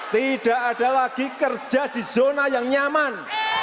tidak ada lagi kerja di zona yang nyaman